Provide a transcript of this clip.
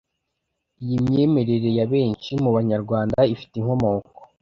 Iyi myemerere ya benshi mu Banyarwanda ifite inkomoko